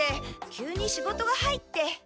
急に仕事が入って。